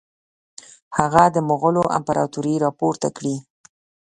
هغه د مغولو امپراطوري را پورته کړي.